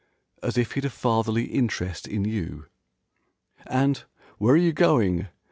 (As if he'd a fatherly interest in you) And "Where are you going?"